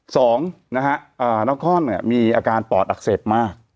๒น้องคล่อมมีอาการปอดอักเสบมาก